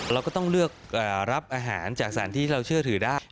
เราก็ต้องเลือกรับอาหารจากสารที่เราเชื่อถือได้